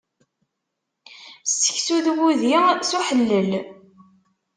Sseksu d wudi, s uḥellel!